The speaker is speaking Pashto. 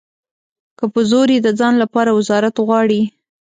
په زور یې د ځان لپاره وزارت غواړي.